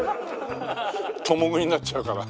共食いになっちゃうから。